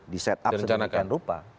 di set up sedemikian rupa